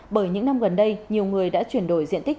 bởi những năm gần đây nhiều người đã chuyển đổi diện tích